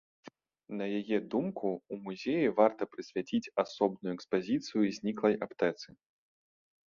На яе думку, у музеі варта прысвяціць асобную экспазіцыю зніклай аптэцы.